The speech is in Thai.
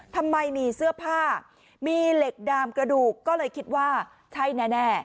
ทำไมมีเสื้อผ้ามีเหล็กดามกระดูกก็เลยคิดว่าใช่แน่